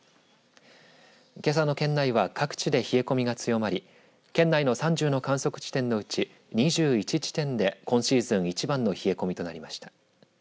けさの県内は各地で冷え込みが強まり県内の３０の観測地点のうち２１地点で今シーズン一番の冷え込みとなりました。